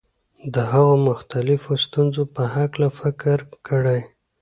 د هغو مختلفو ستونزو په هکله فکر کړی.